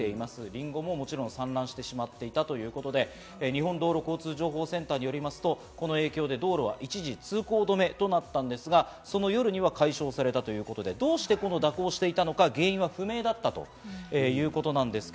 りんごももちろん散乱してしまったということで、日本道路交通情報センターによりますと、この影響で道路は一時通行止めとなったんですが、その夜には解消されたということで、どうして蛇行していたのか原因は不明だったということです。